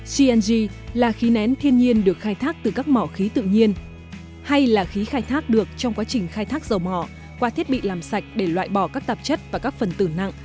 cng là khí nén thiên nhiên được khai thác từ các mỏ khí tự nhiên hay là khí khai thác được trong quá trình khai thác dầu mỏ qua thiết bị làm sạch để loại bỏ các tạp chất và các phần tử nặng